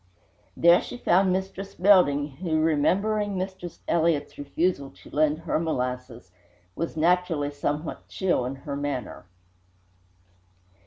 There she found Mistress Belding, who, remembering Mistress Elliott's refusal to lend her molasses, was naturally somewhat chill in her manner.